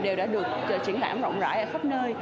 đều đã được triển lãm rộng rãi ở khắp nơi